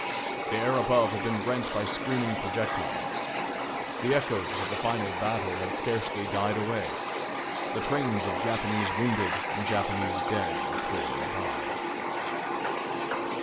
The air above had been rent by screaming projectiles. The echoes of the final battle had scarcely died away. The trains of Japanese wounded and Japanese dead were trailing by.